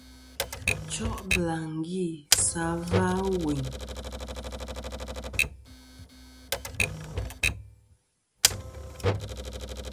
Cho' bɨlàŋgi sɨ a va ɨwùyn.